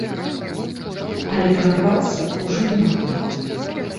Але прарвацца ўжо не маглі.